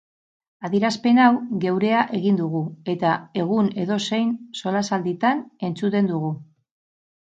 Adierazpen hau geurea egin dugu, eta egun edozein solasalditan entzuten dugu.